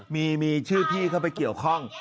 มีชื่อพี่เข้าไปเกี่ยวข้อง